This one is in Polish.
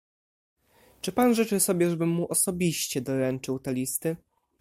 "Czy pan życzy sobie, żebym mu osobiście doręczył te listy?"